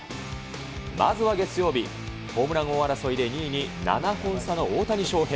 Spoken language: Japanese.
まずは月曜日、ホームラン王争いで２位に７本差の大谷翔平。